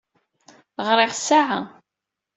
Ɣriɣ ssaɛa.